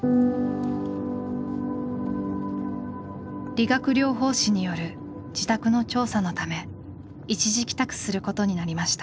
理学療法士による自宅の調査のため一時帰宅することになりました。